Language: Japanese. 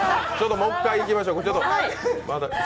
もう１回いきましょう。